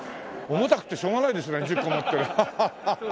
重たくてしょうがないですね１０個持ってりゃハハハハ！